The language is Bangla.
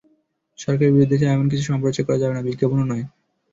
সরকারের বিরুদ্ধে যায় এমন কিছু সম্প্রচার করা যাবে না, বিজ্ঞাপনও নয়।